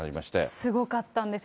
すごかったんですよ。